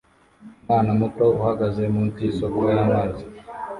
Umwana muto uhagaze munsi yisoko y'amazi